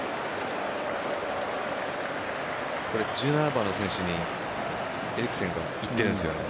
１７番の選手にエリクセンが行ってるんですよ。